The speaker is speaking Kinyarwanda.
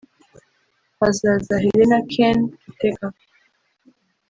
Hazaza “Helennah Ken” Kitheka